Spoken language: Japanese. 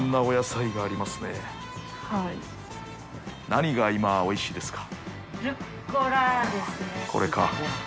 何が今おいしいですか。